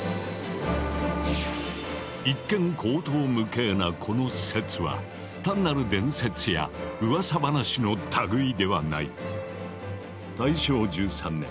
一見荒唐無稽なこの説は単なる伝説やうわさ話の類いではない。